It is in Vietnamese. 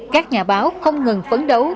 các nhà báo không ngừng phấn đấu